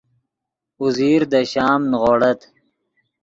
اوزیر دے شام نیغوڑت